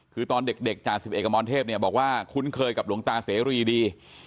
คือตอนเด็กจ่าสิบเอกอมรเทพเนี่ยบอกว่าคุ้นเคยกับหลวงตาเสรีดี